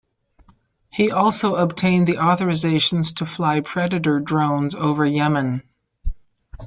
He also obtained the authorizations to fly Predator drones over Yemen.